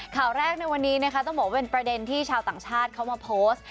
ข่าวแรกในวันนี้นะคะต้องบอกว่าเป็นประเด็นที่ชาวต่างชาติเขามาโพสต์